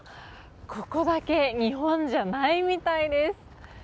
ここだけ日本じゃないみたいです。